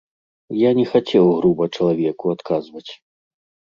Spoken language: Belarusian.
Я не хацеў груба чалавеку адказваць.